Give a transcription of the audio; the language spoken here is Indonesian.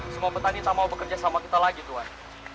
semua petani tak mau bekerja sama kita lagi tuhan